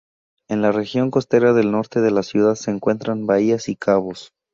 En la región costera del norte de la ciudad se encuentran bahías y cabos.